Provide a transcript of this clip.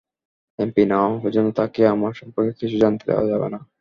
MP না হওয়া পর্যন্ত তাকে আমার সম্পর্কে কিছু জানতে দেওয়া যাবে না।